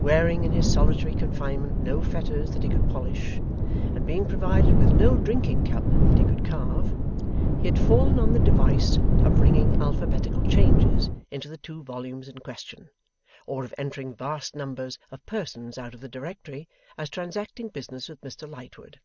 Wearing in his solitary confinement no fetters that he could polish, and being provided with no drinking cup that he could carve, he had fallen on the device of ringing alphabetical changes into the two volumes in question, or of entering vast numbers of persons out of the Directory as transacting business with Mr Lightwood.